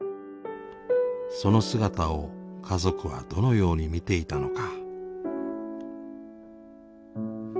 その姿を家族はどのように見ていたのか。